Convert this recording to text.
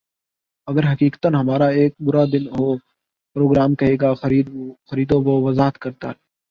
اگر حقیقتا ہمارا ایک برا دن ہو پروگرام کہے گا خریدو وہ وضاحت کرتا ہے